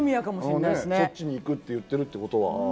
そっちに行くっていってるってことは。